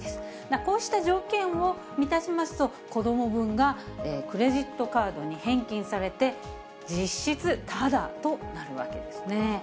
こうした条件を満たしますと、子ども分がクレジットカードに返金されて、実質ただとなるわけですね。